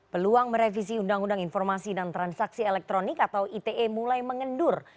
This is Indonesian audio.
peluang merevisi undang undang informasi dan transaksi elektronik atau ite mulai mengendur